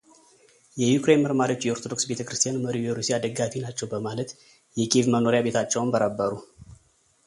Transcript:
የዩክሬን መርማሪዎች የኦርቶዶክስ ቤተክርስትያን መሪው የሩሲያ ደጋፊ ናቸው በማለት የኪዬቭ መኖሪያ ቤታቸውን በረበሩ።